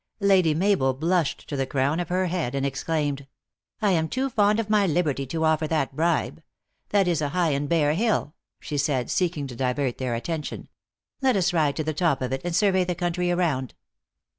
Lady Mabel blushed to the crown of her head, and exclaimed, " I am too fond of my liberty to offer that bribe. That is a high and bare hill," she said, seeking to divert their attention. " Let us ride to the top of it, and survey the country around."